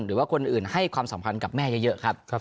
หรือว่าคนอื่นให้ความสัมพันธ์กับแม่เยอะครับ